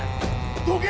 どけ！